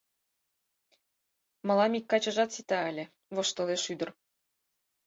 Мылам ик качыжат сита ыле... — воштылеш ӱдыр.